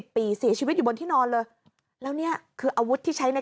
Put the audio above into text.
ปีเสียชีวิตอยู่บนที่นอนเลยแล้วนี่คืออาวุธที่ใช้ใน